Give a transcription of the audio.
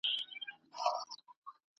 که ګدا دی که سلطان دی له انجامه نه خلاصیږي ,